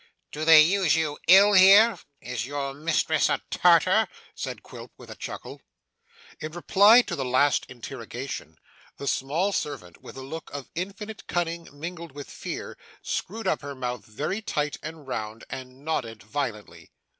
'Do they use you ill here? is your mistress a Tartar?' said Quilp with a chuckle. In reply to the last interrogation, the small servant, with a look of infinite cunning mingled with fear, screwed up her mouth very tight and round, and nodded violently.